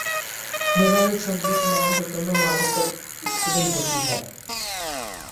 general assembly تمام رکن ممالک پر مشتمل ہوتی ہے